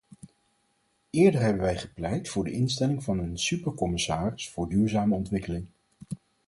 Eerder hebben wij gepleit voor de instelling van een supercommissaris voor duurzame ontwikkeling.